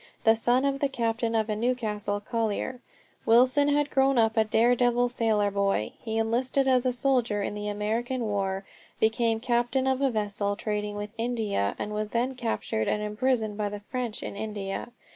The son of the captain of a Newcastle collier, Wilson had grown up a dare devil sailor boy. He enlisted as a soldier in the American war, became captain of a vessel trading with India, and was then captured and imprisoned by the French in India.